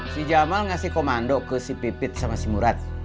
si jamal ngasih komando ke si pipit sama si murat